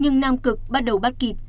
nhưng nam cực bắt đầu bắt kịp